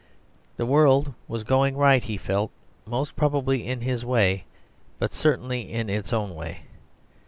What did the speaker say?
The world was going right he felt, most probably in his way, but certainly in its own way.